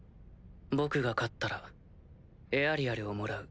僕が勝ったらエアリアルをもらう。